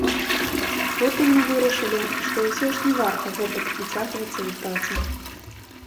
Потым мы вырашылі, што ўсё ж не варта гэтак уцягвацца ў працу.